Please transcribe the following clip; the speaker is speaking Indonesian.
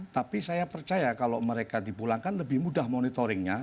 tapi saya percaya kalau mereka dipulangkan lebih mudah monitoringnya